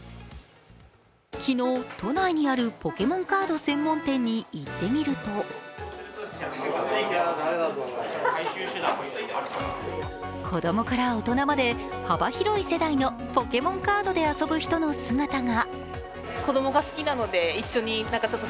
昨日、都内にあるポケモンカード専門店に行ってみると子供から大人まで、幅広い世代のポケモンカードで遊ぶ人の姿が。